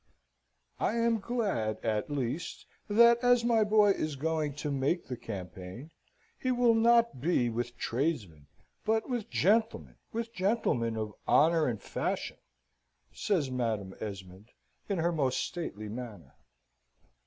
"I am glad, at least, that, as my boy is going to make the campaign, he will not be with tradesmen, but with gentlemen, with gentlemen of honour and fashion," says Madam Esmond, in her most stately manner.